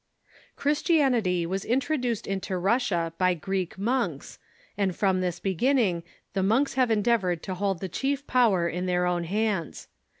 Christianity was introduced into Russia by Greek monks, and from this beginning the monks have endeavored to hold the chief power in their own hands.